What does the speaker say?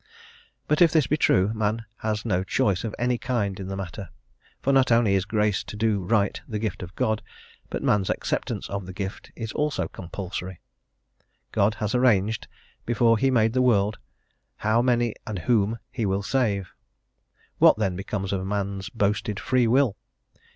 But if this be true, man has no choice of any kind in the matter; for not only is grace to do right the gift of God, but man's acceptance of the gift is also compulsory. God has arranged, before he made the world how many and whom he will save. What, then, becomes of man's boasted free will?